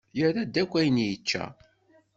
Yerra-d ayen akk i yečča.